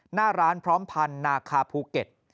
หน้าร้านพร้อมพันธ์นาคาภูเก็ต